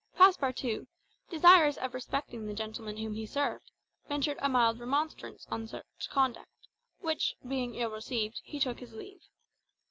Passepartout, desirous of respecting the gentleman whom he served, ventured a mild remonstrance on such conduct; which, being ill received, he took his leave.